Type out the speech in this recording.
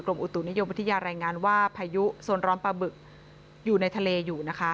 อุตุนิยมวิทยารายงานว่าพายุโซนร้อนปลาบึกอยู่ในทะเลอยู่นะคะ